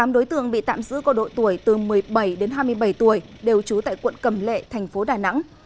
tám đối tượng bị tạm giữ có đội tuổi từ một mươi bảy đến hai mươi bảy tuổi đều trú tại quận cầm lệ tp đà nẵng